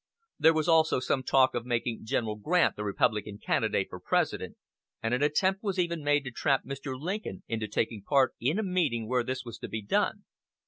There was also some talk of making General Grant the Republican candidate for President, and an attempt was even made to trap Mr. Lincoln into taking part in a meeting where this was to be done.